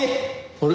あれ？